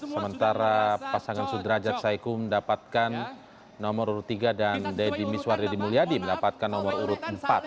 sementara pasangan sudrajak saiku mendapatkan nomor urut tiga dan deddy miswar deddy mulyadi mendapatkan nomor urut empat